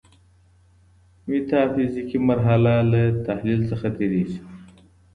ميتا فزيکي مرحله له تخيل څخه تيريږي.